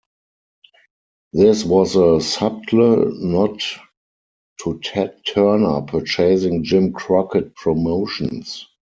This was a subtle nod to Ted Turner purchasing Jim Crockett Promotions.